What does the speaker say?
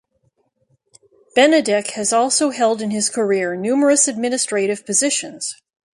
Benedek has also held in his career numerous administrative positions.